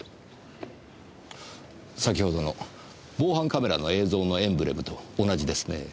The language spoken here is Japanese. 先ほどの防犯カメラの映像のエンブレムと同じですね。